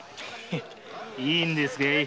いいんですかい？